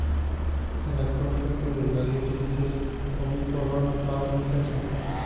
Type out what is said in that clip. El actual jefe de la Diócesis es el Obispo Ronald Paul Herzog.